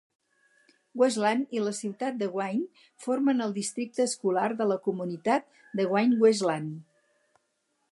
Westland i la ciutat de Wayne formen el districte escolar de la comunitat de Wayne-Westland.